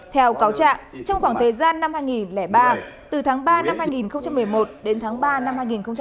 theo cáo trạng trong khoảng thời gian năm hai nghìn ba từ tháng ba năm hai nghìn một mươi một đến tháng ba năm hai nghìn một mươi bảy